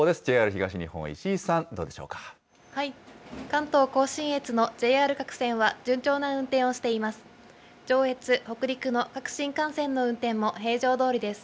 ＪＲ東日本、石井さん、どうでし関東甲信越のＪＲ各線は、順調な運転をしています。